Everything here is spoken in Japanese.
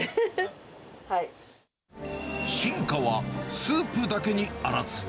進化はスープだけにあらず。